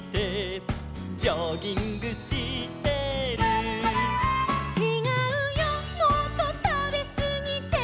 「ジョギングしてる」「ちがうよもっとたべすぎて」